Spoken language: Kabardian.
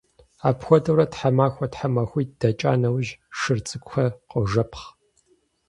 Апхуэдэурэ, тхьэмахуэ-тхьэмахуитӀ дэкӀа нэужь, шыр цӀыкӀухэр къожэпхъ.